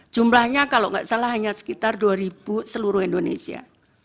jumlahnya kalau nggak salah hanya sekitar dua seluruh indonesia